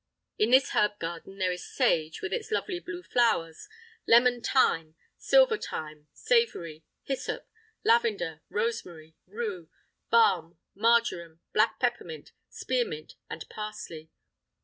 In this herb garden there is sage, with its lovely blue flowers, lemon thyme, silver thyme, savory, hyssop, lavender, rosemary, rue, balm, marjoram, black peppermint, spearmint and parsley.